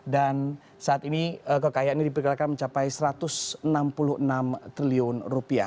dan saat ini kekayaannya diperkirakan mencapai satu ratus enam puluh enam triliun rupiah